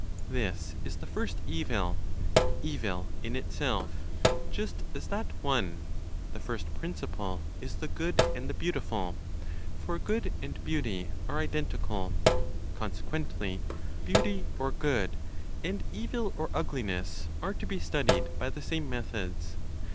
This is the First Evil, evil in itself, just as that one (the First Principle) is the good and the beautiful; for good and beauty are identical. Consequently, beauty or good, and evil or ugliness, are to be studied by the same methods.